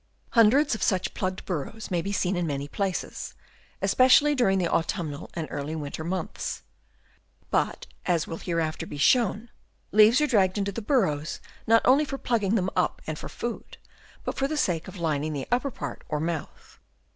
Hundreds of such plugged burrows may be seen in many places, especially during the autumnal and early winter months. But, as will hereafter be shown, leaves are dragged into the burrows not only for plugging them up and for food, but for the sake of lining the upper part or mouth.